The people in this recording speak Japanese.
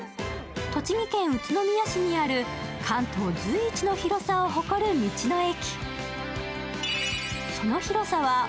栃木県宇都宮市にある関東随一の広さを誇る道の駅。